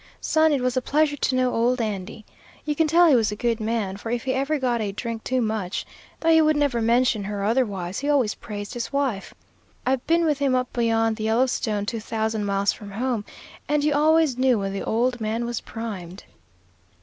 Son, it was a pleasure to know old Andy. You can tell he was a good man, for if he ever got a drink too much, though he would never mention her otherwise, he always praised his wife. I've been with him up beyond the Yellowstone, two thousand miles from home, and you always knew when the old man was primed.